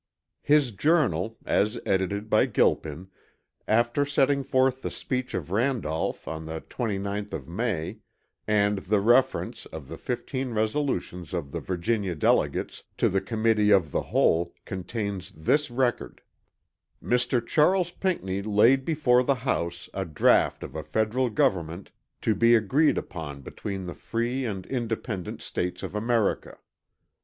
His journal (as edited by Gilpin) after setting forth the speech of Randolph on the 29th of May, and the reference of the 15 resolutions of the Virginia delegates, to the Committee of the Whole, contains this record: "Mr. Charles Pinckney laid before the house a draught of a federal government to be agreed upon between the free and independent states of America."